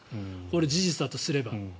これ、事実だとすれば。